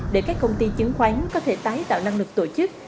để các công ty chứng khoán có thể tái tạo năng lực tổ chức